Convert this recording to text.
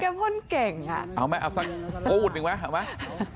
กะพ้นเก่งอ่ะเอาไหมเอาซักโป๊ดหนึ่งไว้เอาไหม